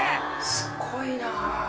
すごいな。